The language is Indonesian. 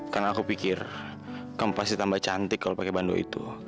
karena aku pikir kamu pasti tambah cantik kalau pakai bandu itu